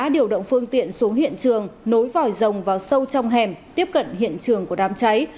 điều động phương tiện xuống hiện trường nối vòi rồng vào sâu trong hẻm tiếp cận hiện trường của đám cháy